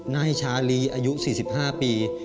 น่าให้ชาลีอายุ๔๕ปี